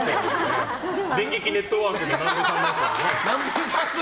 電撃ネットワークの南部さんのやつ。